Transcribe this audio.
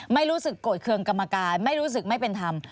ไม่รู้สึกโกรธเครื่องกรรมการไม่รู้สึกไม่เป็นธรรม